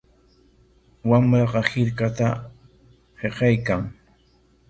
Wamraqa hirkata hiqaykan.